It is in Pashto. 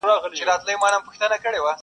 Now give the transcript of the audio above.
له انګلیسي ترجمې څخه،